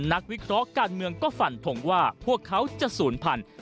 นักวิเคราะห์การเมืองก็ฝันทงว่าพวกเขาจะศูนย์พันธุ